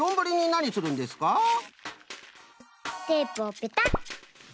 テープをペタッ。